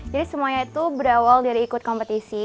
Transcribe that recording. jadi semuanya itu berawal dari ikut kompetisi